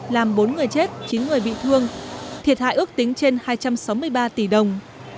làm bốn người chết chín người bị thương thiệt hại ước tính trên hai trăm sáu mươi ba tỷ đồng